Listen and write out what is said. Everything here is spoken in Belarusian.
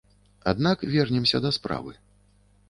Аднак вернемся да справы.